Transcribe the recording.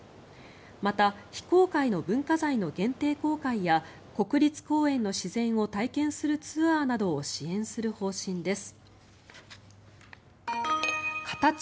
また、非公開の文化財の限定公開や国立公園の自然を体験するツアーなどを支援する方針です。